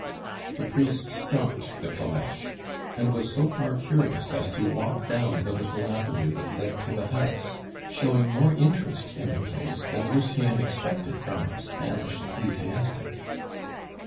The priest stopped the caleche; and was so far curious as to walk down the little avenue that led to the house, showing more interest in the place than Lucien expected from a Spanish ecclesiastic.